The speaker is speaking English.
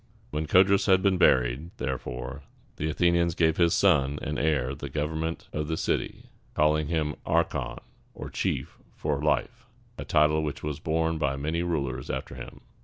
When Codrus had been buried, therefore, the Athenians gave his son and heir the government of the city, calling him archon, or chief for life, a title which was borne by many rulers after him.